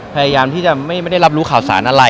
พยายามที่จะไม่ได้รับรู้ข่าวสารอะไร